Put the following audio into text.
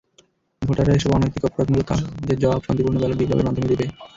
ভোটাররা এসব অনৈতিক অপরাধমূলক কাজের জবাব শান্তিপূর্ণ ব্যালট বিপ্লবের মাধ্যমে দেবে।